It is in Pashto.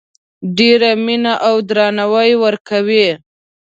ډیره مینه او درناوی ورکوي